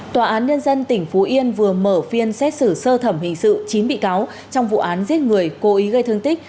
tòa án nhân dân tỉnh phú yên vừa mở phiên xét xử sơ thẩm hình sự chín bị cáo trong vụ án giết người cố ý gây thương tích